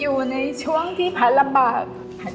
อยู่ในช่วงที่แพทย์ลำบาก